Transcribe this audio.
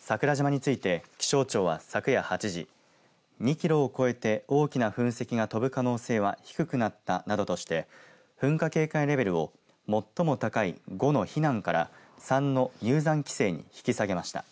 桜島について気象庁は昨夜８時２キロを超えて大きな噴石が飛ぶ可能性は低くなったなどとして噴火警戒レベルを最も高い５の避難から３の入山規制に引き下げました。